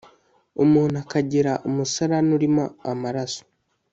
umuntu akagira umusarane urimo amaraso